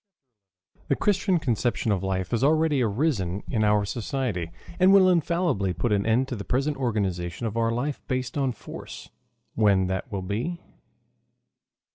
THE CHRISTIAN CONCEPTION OF LIFE HAS ALREADY ARISEN IN OUR SOCIETY, AND WILL INFALLIBLY PUT AN END TO THE PRESENT ORGANIZATION OF OUR LIFE BASED ON FORCE WHEN THAT WILL BE.